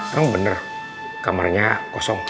kan bener kamarnya kosong